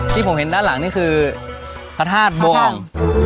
ที่ผมเห็นด้านหลังนี่คือพระธาตุบอง